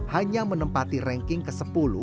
hanya menempati ranking ke sepuluh